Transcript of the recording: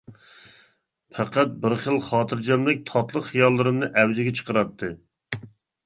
پەقەت بىر خىل خاتىرجەملىك تاتلىق خىياللىرىمنى ئەۋجىگە چىقىراتتى.